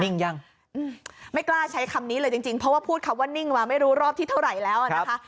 ยังไม่กล้าใช้คำนี้เลยจริงจริงเพราะว่าพูดคำว่านิ่งมาไม่รู้รอบที่เท่าไหร่แล้วนะคะ